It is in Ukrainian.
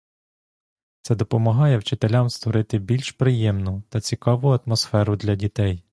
Це допомагає вчителям створити більш приємну та цікаву атмосферу для дітей.